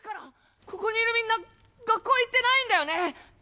ここにいるみんな学校行ってないんだよね？